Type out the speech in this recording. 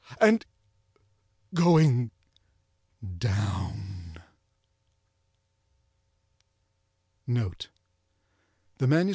and—going down. NOTE.—The "MS.